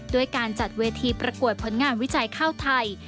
ด้วยการจัดเวทีประกวดผลงานวิจัยข้าวไทย